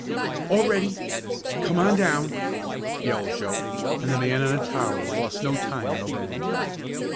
"All ready! Come on down!" yelled Joe, and the man on the tower lost no time in obeying.